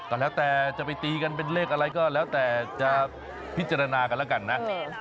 ก็แล้วแต่จะไปตีกันเป็นเลขอะไรก็แล้วแต่จะพิจารณากันแล้วกันนะ